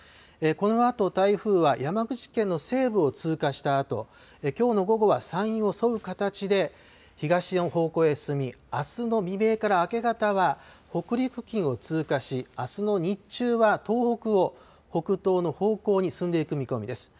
このあと台風は山口県の西部を通過したあと、きょうの午後は山陰を沿う形で東の方向へ進み、あすの未明から明け方は、北陸付近を通過し、あすの日中は東北を北東の方向に進んでいく見込みです。